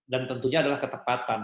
dan tentunya adalah ketepatan